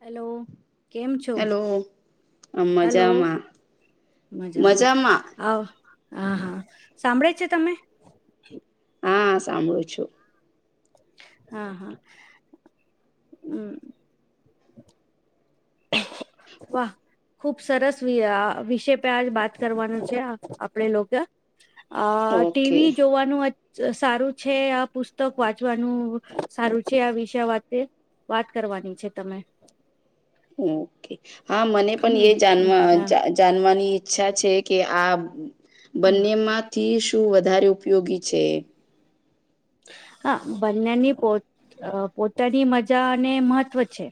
Hello કેમ છો hello hello મજામાં મજામાં આવ હા હા સાંભળે છે તમે હા સાંભળું છું હા હા હમ વાહ ખુબ સરસ વિષ પે આજ વાત કરવાનું છે આપણે લોકો અ ટીવી ઓકે જોવાનું સારું છે આ પુસ્તક વાંચવાનું સારું છે આ વિષય વાત વાત કરવાની છે તમે ઓકે હા મને પણ હમ એ હમ જાણવા હા જાણવાની ઈચ્છા છે કે આ હમ બંનેમાં થી શું વધારે ઉપયોગી છે હા બંનેની પો પોતાની મજા અને મહત્વ છે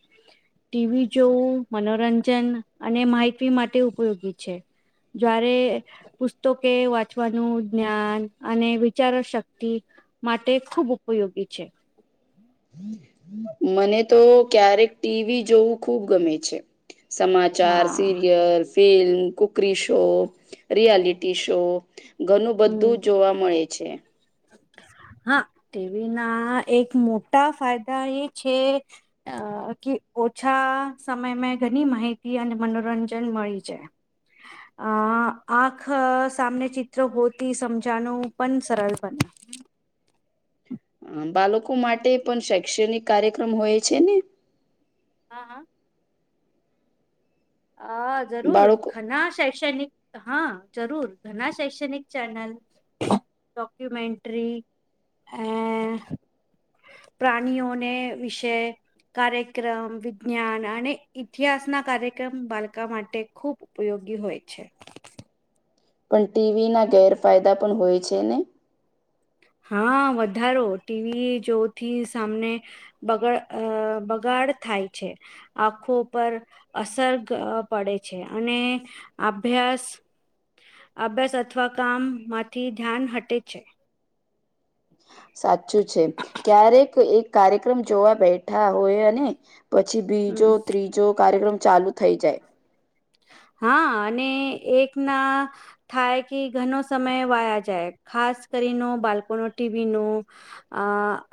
ટીવી જોવું મનોરંજન અને માહિતી માટે ઉપયોગી છે જારે પુસ્તકે વાંચવાનું જ્ઞાન અને વિચારો શક્તિ માટે ખૂબ ઉપયોગી છે હમ હમ મને તો ક્યારેક ટીવી જોવું ખુબ ગમે છે સમાચાર હા serials film cookery show reality show ઘણું હમ બધું જોવા મળે છે પચ્છ છે હા ટીવી ના એક મોટા ફાયદા એ છે અ કે ઓછા સમયમાં ઘણી માહિતી અને મનોરંજન મળી છે હ અ આંખ સામને ચિત્ર હોતી સમજાનું પણ સરળ છે બ હમ બાળકો માટે પણ શૈક્ષણિક કાર્યક્રમ હોય છે ને હા હા અ જરૂર બાળકો ઘના શૈક્ષણિક હા જરૂર ઘણા શૈક્ષણિક ચેનલ ડોક્યુમેન્ટ્રી અ પ્રાણીઓને વિશે કાર્યક્રમ વિજ્ઞાન અને ઇતિહાસ ના કાર્ય કાર્યક્રમ બાલકા માટે ખૂબ ઉપયોગી હોય છે પણ ટીવી ના ગેરફાયદા પણ હોય છે ને હા વધારો ટીવી જોથી સામને બગાડ અ બગાડ થાય છે આખો પર અસર પડે છે અને અભ્યાસ અભ્યાસ અથવા કામ માંથી ધ્યાન હટે છે સાચું છે ક્યારેક એક કાર્યક્રમ જોવા બેઠા હોય અને પછી હમ બીજો ત્રીજો કાર્યક્રમ ચાલુ થઈ જાય હા અને એક ના થાય કે ઘનો સમય વાયા જાય ખાસ કરીને બાળકોનો ટીવી નો અ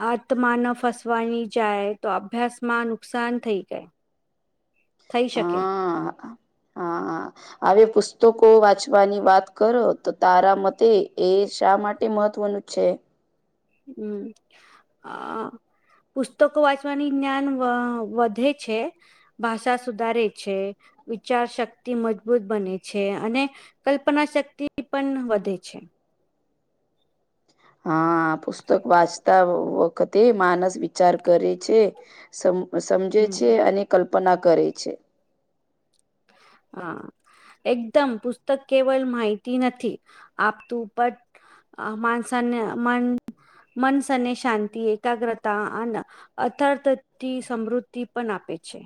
આત્મા ન ફસવાની જાય તો અભ્યાસમાં નુકસાન થઈ જાય [inaudible] થઈ શકે હા હા હ પુસ્તકો વાંચવાની વાત કરો તો તારા મતે એ શા માટે મહત્વનું છે હમ હ પુસ્તકો વાંચવાની જ્ઞાન વધે છે ભાષા સુધારે છે વિચાર શક્તિ મજબૂત બને છે અને કલ્પના શક્તિ પણ વધે છે હા પુસ્તક વાંચતા વખતે માનસ વિચાર કરે છે સમ સમજે હમ છે, અને કલ્પના કરે છે. હ. એકદમ પુસ્તક કેવલ માહિતી નથી આપતું, પણ અ માણસાને મન મનસાને શાંત, એકાગ્રતા અને અથારતથી સમૃદ્ધિ પણ આપે છે.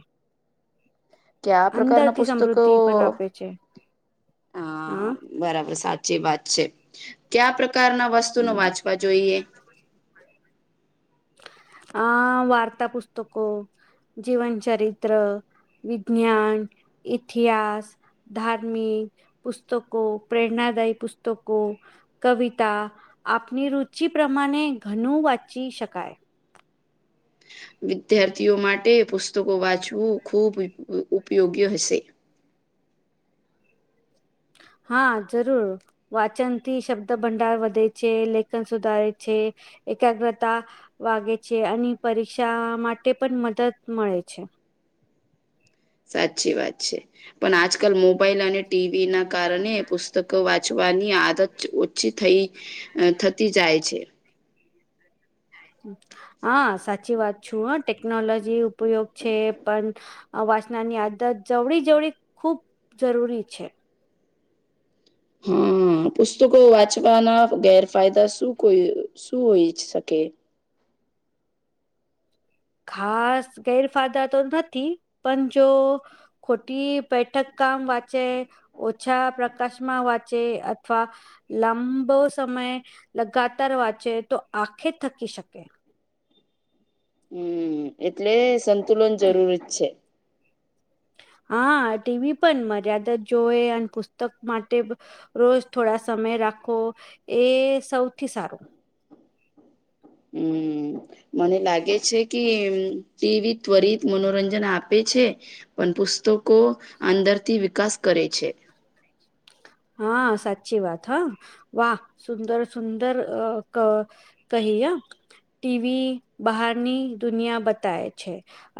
ક્યા પ્રકારના અંદરથી પુસ્તક સમૃદ્ધિ પણ આપે છે હ હા બરાબર, સાચી વાત છે. કયા પ્રકારના વસ્તુ ન હમ વાંચવા જોઈએ? આ વાર્તા પુસ્તકો જીવન ચરિત્ર, વિજ્ઞાન, ઇતિહાસ ધાર્મિક પુસ્તકો, પ્રેરણાદાયી પુસ્તકો કવિતા આપની રુચિ પ્રમાણે ઘણું વાંચી શકાય. વિદ્યાર્થીઓ માટે પુસ્તકો વાંચવું ખૂબ ઉપયોગી હશે. હા, જરૂર. વાચન થી શબ્દ ભંડાર વધે છે, લેખન સુધારે છે એકાગ્રતા વાગે છે અને પરીક્ષા માટે પણ મદદ મળે છે. સાચી વાત છે, પણ આજકાલ મોબાઈલ અને ટીવી ના કારણે પુસ્તકો વા વાચવાની આદત ઓછી થઈ થતી જાય છે. હા, સાચી વાત છે. હ ટેકનોલોજી ઉપયોગ છે, પણ વાચનાની આદત જવળી-જવળી ખૂબ જરૂરી છે. હમ, પુસ્તકો વાંચવાના ગેરફાયદા શું હોય? શું ઈચ્છ શકે? ખાસ ગેરફાયદા તો નથી, પણ જો ખોટી બેૈઠક કામ વાચે. ઓછા પ્રકાશમાં વાંચે, અથવા લાંબો સમય લગાતાર વાંચે, તો આખે થકી શકે. હમ, એટલે સંતુલન જરૂર જ છે. હા, ટીવી પણ મર્યાદિત જોએ, અને પુસ્તક માટે રોજ થોડા સમય રાખો એ સૌથી સારું. હમ, મને લાગે છે કે ટીવી ત્વરિત મનોરંજન આપે છે. પણ પુસ્તકો અંદરથી વિકાસ કરે છે. હા, સાચી વાત. હા, વાહ! સુંદર, સુંદર. કહીય ટીવી બહારની દુનિયા બતાય છે.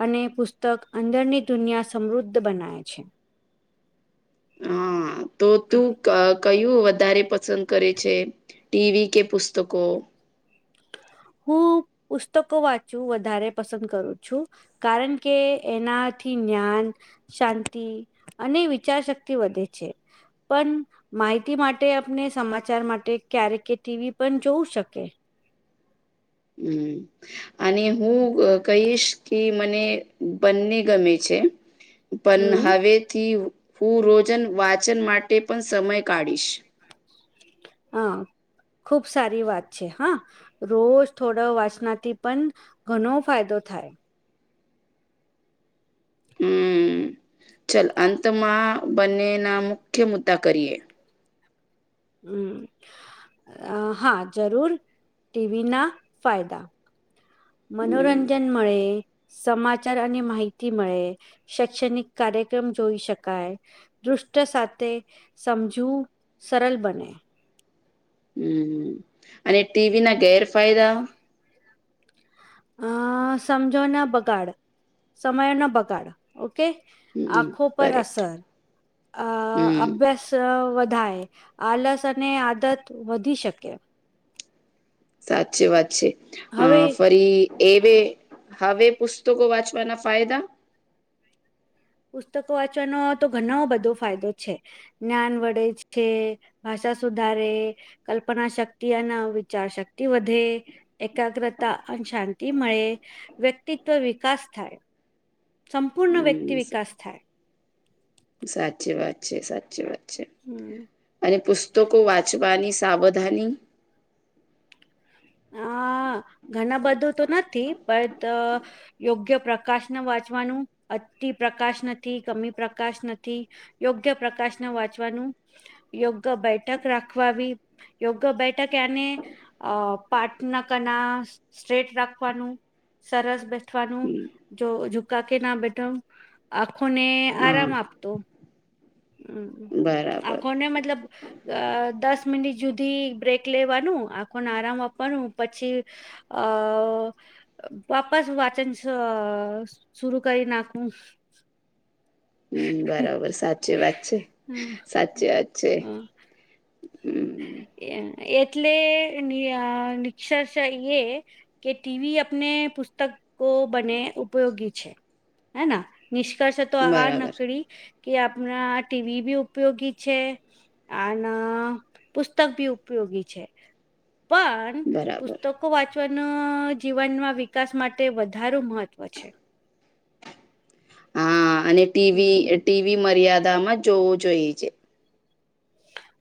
અને પુસ્તક અંદરની દુનિયા સમૃદ્ધ બનાવે છે. હા. તો તું કયું વધારે પસંદ કરે છે, ટીવી કે પુસ્તકો? હું પુસ્તકો વાંચું વધારે પસંદ કરું છું. કારણ કે એનાથી જ્ઞાન શાંતિ અને વિચાર શક્તિ વધે છે. પણ માહિતી માટે આપને સમાચાર માટે ક્યારે કે ટીવી પણ જોવું શકીએ. હમ, અને હું કહીશ કે મને બંને ગમે છે, પણ હમ હવેથી હું રોજન વાચન માટે પણ સમય કાઢીશ. હા, ખુબ સારી વાત છે. હા. રોજ થોડા વાસનાથી પણ ઘણો ફાયદો થાય. હમ, ચાલ, અંતમાં બંનેના મુખ્ય મુદ્દા કરીએ. હમ, હા, જરૂર. ટીવી ના ફાયદા. હમ મનોરંજન મળે. સમાચાર અને માહિતી મળે, શૈક્ષણિક કાર્યક્રમ જોઈ શકાય‌. દૃષ્ટ સાથે સમજવું સરળ બને. હમ અને ટીવી ના ગેરફાયદા અ સમજો ના બગાડ સમયો ના બગાડ ઓકે હમ આંખો પર કરેક્ટ અસર અ હમ અભ્યાસ વધાય આલસ અને આદત વધી શકે સાચી વાત છે, અ હવે ફરી એ હવે પુસ્તકો વાંચવાના ફાયદા પુસ્તકો વાંચવાનો તો ઘનો બધો ફાયદો છે. જ્ઞાન વળે છે, ભાષા સુધારે કલ્પના શક્તિ અને વિચાર શક્તિ વધે એકાગ્રતા અને શાંતિ મળે વ્યક્તિત્વ વિકાસ થાય સંપૂર્ણ હમ વ્યક્તિ વિકાસ થાય સાચી વાત છે, સાચી વાત છે, હમ અને પુસ તો કો વાંચવાની સાવધાની હ ઘણા બધું તો નથી પણ યોગ્ય પ્રકાશ ન વાંચવાનું અતિ પ્ર્કાશ નથી કમી પ્રકાશ નથી યોગ્ય પ્રકાશ ના વાંચવાનું યોગ્ય બેઠક રાખવાવી યોગ્ય બેઠક એને અ પાર્ટ ના ક ના સ્ટ્રેટ રાખવાનું સરસ બેઠવાનું જો ઝુકા કે ના બેઠો આખોને હા આરામ આપતો હમ બરાબર આખોને મતલબ અ દસ મિનિટ જુદી બ્રેક લેવાનું આખોને આરામ આપવાનું પછી અ વાપાસ વાચન સ શરુ કરી નાખવું. હમ બરાબર સાચી વાત છે, હમ સાચી વાત છે. હમ હમ એ એટલે ની નિક્ષર્ષ એ કે ટીવી આપને પુસ્તક કો બને ઉપયોગી છે. હેના નિષ્કર્ષ તો આ બરાબર નકરી કે આપણા ટીવી બી ઉપયોગી છે, આના પુસ્તક ભી ઉપયોગી છે, પણ બરાબર પુસ્તક ઓ વાંચવાનો જીવનમાં વિકાસ માટે વધારે મહત્વ છે. હા અને હમ ટીવી ટીવી મર્યાદામાં જોવું જોઈએ છે.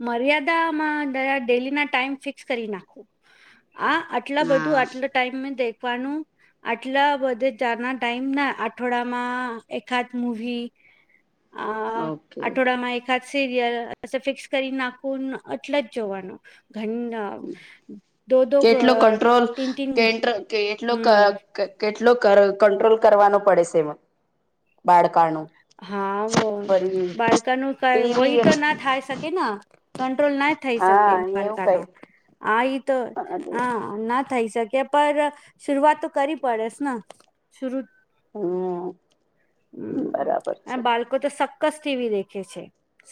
મર્યાદામાં ડેલી ના ટાઈમ ફિક્સ કરી નાખું આ આટલા બધું હા આટલા ટાઈમ દેખવાનું આટલા બધા જાના ટાઈમ ના આઠવાડા માં એકાદ મુવી અ ઓકે આઠોડામાં એકાદ સિરિયલ ફિક્સ કરી નાખું એટલ જ જોવાનું ઘણી અ કેટલો કંટ્રોલ તીન તીન કે કેટલો ક હમ ક કેટલો કરલ કંટ્રોલ કરવાનો પડે છે, એમાં બાળકાનું હા ફરી બાળકાનું કઈ વય ટીવી તો ના થાય શકે ના કંટ્રોલ ના થઈ શકે હા એવું બાલકા નો કઈ આ તો હ ના થઈ શકે પર શરૂઆત તો કરવી પડેસ ને શરૂ હમ બરાબર છે. લોકો તો સક્કસ ટીવી દેખે છે.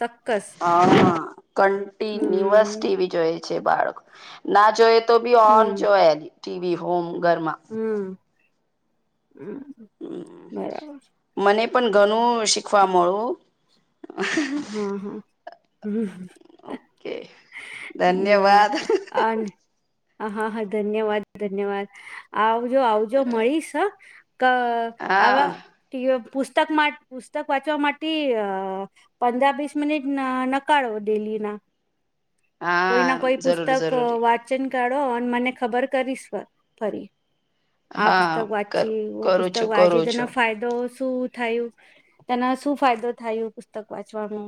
સક્કસ હા કન્ટિન્યુિવર્સ હમ ટીવી જોઈ છે બાળક ના જોય તો ભી ઓન હમ જોએ ટીવી હોમ ગરમાં હમ હ બરાબર. મને પણ ઘણું શીખવા મળ્યું. હા હા ઓકે હ. ધન્યવાદ અ હ હા હા ધન્યવાદ ધન્યવાદ આવ જો આવજો મળીશ ક હા આવા. ટ પુસ્તક પુસ્તક વાંચવા માટે અ પંદર વીસ મિનિટ નકારો ડેલી ના કોઈ ના હા કોઈ પુસ્તક જરૂર વાચ જરૂરી વાચન કાઢો અને મને ખબર કરીશ ફરી આ પુસ્તક હા કર વાંચચી વ કરું પુસ્તક છું વાંચી કરું તેના છું ફાયદો શું થયું તેના શું ફાયદો થાયું ક વાંચવાનું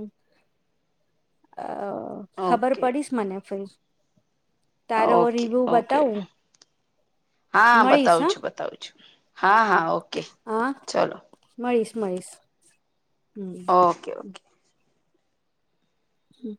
અ ખબર ઓકે પડીશ મને ફ ઓકે ઓકે હા મળીશ બતાવું હા છું બતાવું છું હા હા ઓકે હા ચલો મળીશ મળીશ હમ ઓકે ઓકે હમ